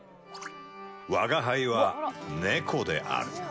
吾輩は猫である。